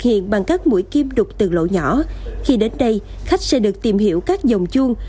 hiện bằng các mũi kim đục từ lỗ nhỏ khi đến đây khách sẽ được tìm hiểu các dòng chuông